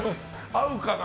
合うかな。